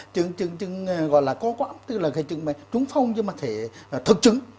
chứng gọi là có quả tức là chứng trúng phong nhưng mà thể thật chứng